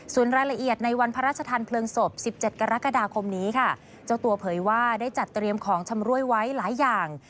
ส่วนรายละเอียดในวันพระราชทานเพลิงศพ๑๗กรกฎาคมนี้ค่ะเจ้าตัวเผยว่าได้จัดเตรียมของชำรวยไว้หลายอย่าง